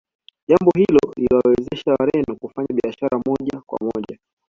Jambo hilo liliwawezesha Wareno kufanya biashara moja kwa moja